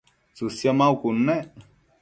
tsësio maucud nec